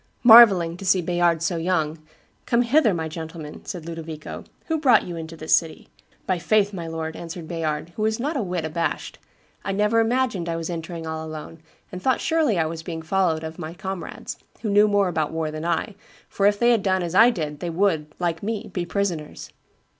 "Marvelling to see Bayard so young, 'Come hither, my gentleman,' said Ludovico: 'who brought you into the city?' 'By my faith, my lord,' answered Bayard, who was not a whit abashed, 'I never imagined I was entering all alone, and thought surely I was being followed of my comrades, who knew more about war than I, for if they had done as I did they would, like me, be prisoners.